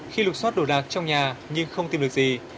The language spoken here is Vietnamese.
khi lục xót đồ đạc trong nhà nhưng không tìm được gì